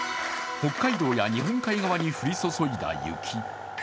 北海道や日本海側に降り注いだ雪。